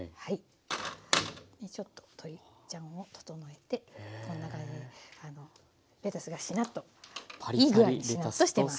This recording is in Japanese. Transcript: ちょっと鶏ちゃんを整えてこんな感じであのレタスがしなっといい具合にしなっとしてます。